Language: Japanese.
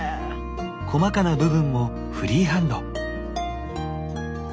細かな部分もフリーハンド。